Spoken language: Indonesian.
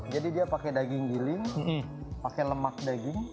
jadi dia pakai daging giling pakai lemak daging